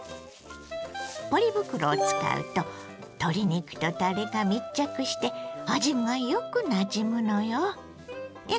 ポリ袋を使うと鶏肉とタレが密着して味がよくなじむのよ。